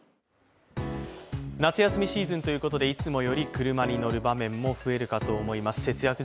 夏休みシーズンということで、いつもより車に乗る場面も増えるかと思います。